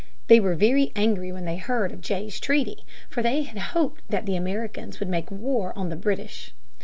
They were very angry when they heard of Jay's Treaty (p. 168), for they had hoped that the Americans would make war on the British.